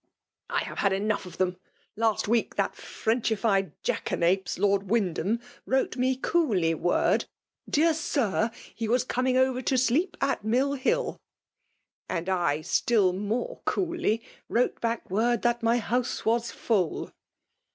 " I have had enough of them ! Last week that Frenchified jackanapes. Lord Wyndham, wrote me coolly word, ' Dear Sir,' — he was coming over to sleep at Mill Hill; and I, c2 2ft FEMALK DOMII^ATIOK. still mote coolly, wrote back wofd that my house was full.''